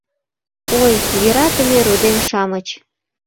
Ой, йӧратыме родем-шамыч